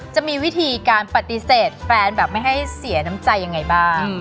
จะมีวิธีการปฏิเสธแฟนแบบไม่ให้เสียน้ำใจยังไงบ้าง